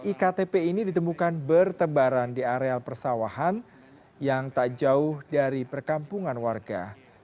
iktp ini ditemukan bertebaran di areal persawahan yang tak jauh dari perkampungan warga